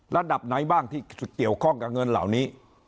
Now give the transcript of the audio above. ระดับไหนบ้างที่เกี่ยวข้องกับเงินเหล่านี้